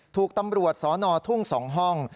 ถูกตำรวจสนทุ่ง๒ห้อง